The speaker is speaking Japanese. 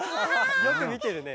よくみてるね。